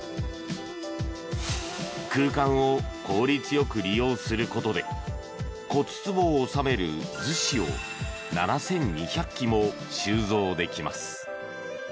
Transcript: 空間を効率よく利用することで骨つぼを納める厨子を７２００基も収蔵できます。